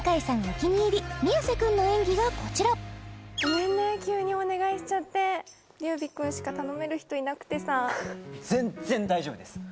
お気に入り宮世君の演技がこちらごめんね急にお願いしちゃって琉弥君しか頼める人いなくてさ全然大丈夫です